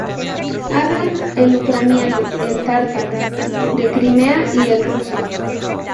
Hablan el ucraniano, el tártaro de Crimea y el ruso.